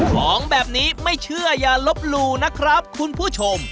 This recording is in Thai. ของแบบนี้ไม่เชื่ออย่าลบหลู่นะครับคุณผู้ชม